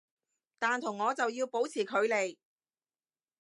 但同我就要保持距離